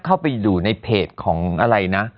เข้าไปอยู่ในเพจของอะไรนะ